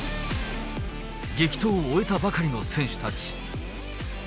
激闘を終えたばかりの選手たち。